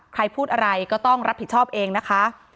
ใครพูดอะไรก็ต้องรับผิดชอบเองนะคะ